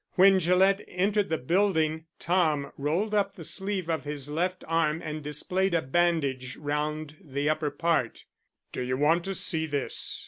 When Gillett entered the building Tom rolled up the sleeve of his left arm and displayed a bandage round the upper part. "Do you want to see this?"